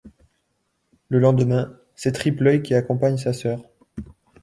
Le lendemain, c'est Triple-Œil qui accompagne sa sœur.